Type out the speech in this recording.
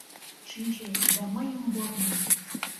Шинче да мыйым вор ман!